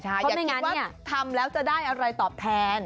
อย่าคิดว่าทำแล้วจะได้อะไรตอบแทน